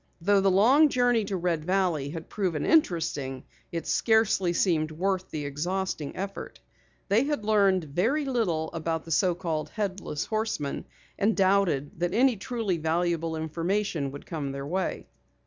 Though the long journey to Red Valley had proven interesting, it scarcely seemed worth the exhausting effort. They had learned very little about the so called Headless Horseman and doubted that any truly valuable information would come their way.